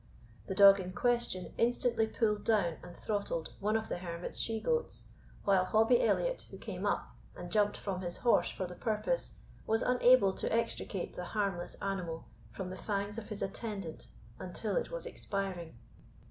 The dog in question instantly pulled down and throttled one of the hermit's she goats, while Hobbie Elliot, who came up, and jumped from his horse for the purpose, was unable to extricate the harmless animal from the fangs of his attendant until it was expiring.